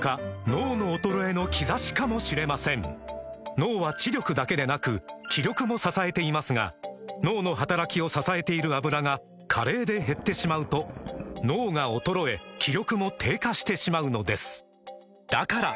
脳の衰えの兆しかもしれません脳は知力だけでなく気力も支えていますが脳の働きを支えている「アブラ」が加齢で減ってしまうと脳が衰え気力も低下してしまうのですだから！